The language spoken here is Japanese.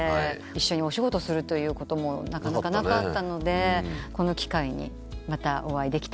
一緒にお仕事するということもなかなかなかったのでこの機会にまたお会いできたらなと思って。